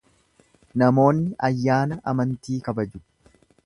Namoonni ayyaana amantii kabaju.